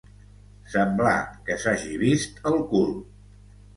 Semblar que s'hagi vist el cul.